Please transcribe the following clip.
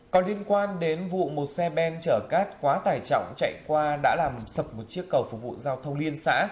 còn liên quan đến vụ một xe ben chở cát quá tải trọng chạy qua đã làm sập một chiếc cầu phục vụ giao thông liên xã